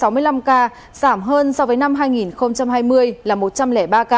giảm hơn so với năm hai nghìn hai mươi là một trăm linh ba ca